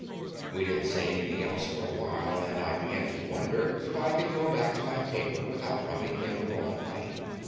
We didn't say anything else for a while and I began to wonder if I could go back to my paper without rubbing him the wrong way.